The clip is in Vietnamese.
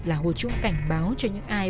là hồ trung cảnh báo cho những ai